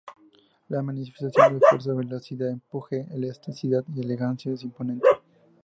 La manifestación de fuerza, velocidad, empuje, elasticidad y elegancia es imponente.